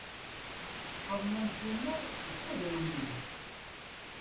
Faḍma n Sumer d tagrawliwt.